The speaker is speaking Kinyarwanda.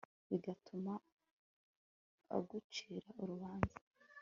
bigatuma agucira urubanza